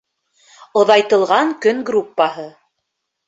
Оҙайтылған көн группаһы.